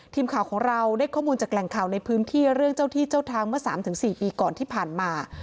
ทีมข่าวของเราได้ข้อมูลจากแหล่งข่าวในพื้นที่เรื่องเจ้าที่เจ้าทางเมื่อ๓๔ปีก่อนที่ผ่านมา